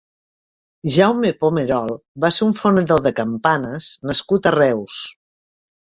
Jaume Pomerol va ser un fonedor de campanes nascut a Reus.